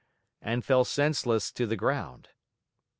and fell senseless to the ground.